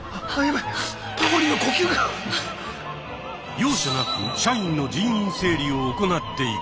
容赦なく社員の人員整理を行っていく。